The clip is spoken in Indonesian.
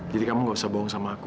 jadi kamu gak usah bohong sama aku